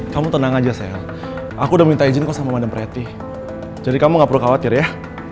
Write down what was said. kamu tenang aja sel aku udah minta izin kau sama madam pretty jadi kamu nggak perlu khawatir ya